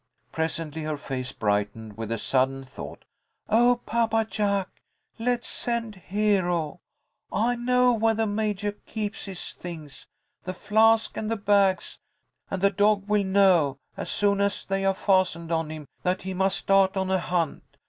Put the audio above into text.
'" Presently her face brightened with a sudden thought. "Oh, Papa Jack! Let's send Hero. I know where the Majah keeps his things, the flask and the bags, and the dog will know, as soon as they are fastened on him, that he must start on a hunt.